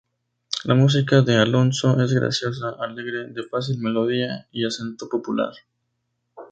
La música de Alonso es graciosa, alegre, de fácil melodía y acento popular.